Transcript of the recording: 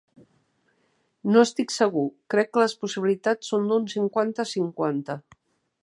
No estic segur; crec que les possibilitats són d'un cinquanta-cinquanta